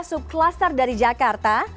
subkluster dari jakarta